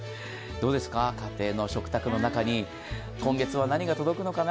どうですか、家庭の食卓の中に今月は何が届くのかな？